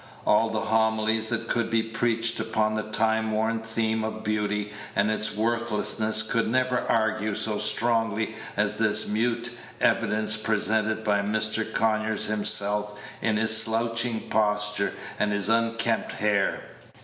All the homilies that could be preached upon the time worn theme of beauty and its worthlessness could never argue so strongly as this mute evidence presented by Mr. Conyers himself in his slouching posture and his unkempt hair.